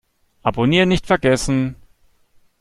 Abonnieren nicht vergessen!